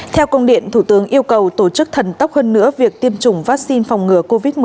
theo công điện thủ tướng yêu cầu tổ chức thần tốc hơn nữa việc tiêm chủng vaccine phòng ngừa covid một mươi chín